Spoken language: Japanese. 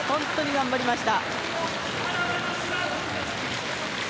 頑張りました。